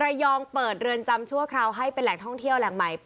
ระยองเปิดเรือนจำชั่วคราวให้เป็นแหล่งท่องเที่ยวแหล่งใหม่